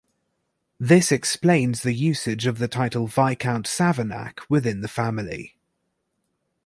This explains the usage of the title Viscount Savernake within the family.